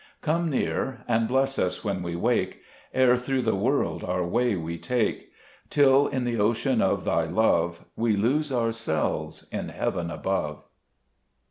6 Come near and bless us when we wake, Ere through the world our way we take, Till in the ocean of Thy love We lose ourselves in heaven above.